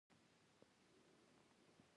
غوړې د خوراکي موادو د هضم کولو لپاره اړینې دي.